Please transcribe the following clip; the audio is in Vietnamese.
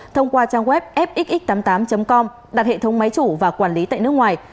thông qua trang web fxx tám mươi tám com đặt hệ thống máy chủ và quản lý tại nước ngoài